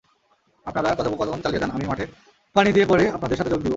আপনারা কথোপকথন চালিয়ে যান, আমি মাঠে পানি দিয়ে পরে আপনাদের সাথে যোগ দিব।